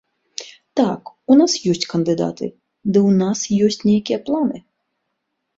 Так, у нас ёсць кандыдаты, ды ў нас ёсць нейкія планы.